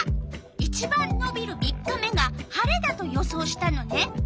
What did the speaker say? いちばんのびる３日目が晴れだと予想したのね。